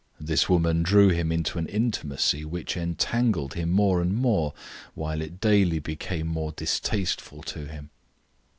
This woman drew him into an intimacy which entangled him more and more, while it daily became more distasteful to him.